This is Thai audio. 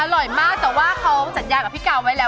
อร่อยมากแต่ว่าเขาสัญญากับพี่กาวไว้แล้ว